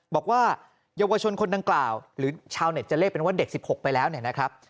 บอกว่าเยาวชนคนดังกล่าวหรือชาวเน็ตจะเรียกเป็นว่าเด็ก๑๖ไปแล้วเนี่ยนะครับ